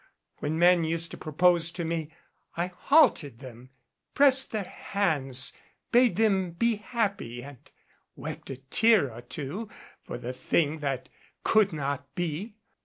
When men used to propose to me I halted them, pressed their hands, bade them be happy and wept a tear or two for the thing that could not be.